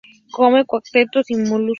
Come crustáceos y moluscos.